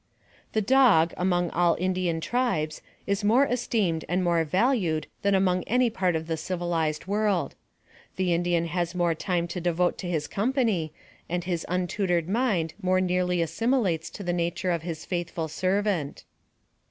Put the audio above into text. The dog, among all Indian tribes, is more esteemed and more valued than among any part of the civilized world. The Indian has more time to devote to his company, and his untutored mind more nearly assim ilates to the nature of his faithful servant.